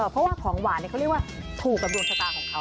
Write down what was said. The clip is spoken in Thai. เพราะว่าของหวานเขาเรียกว่าถูกกับดวงชะตาของเขา